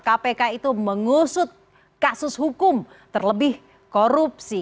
kpk itu mengusut kasus hukum terlebih korupsi